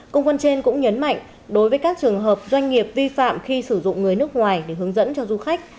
công văn trên cũng nhấn mạnh đối với các trường hợp doanh nghiệp vi phạm khi sử dụng người nước ngoài để hướng dẫn cho du khách